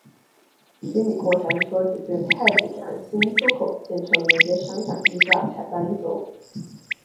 虚拟过山车直至太古站新出口建成连接商场地下才搬走。